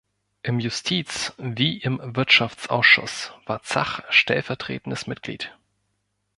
Im Justiz- wie im Wirtschaftsausschuss war Zach stellvertretendes Mitglied.